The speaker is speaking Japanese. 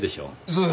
そう。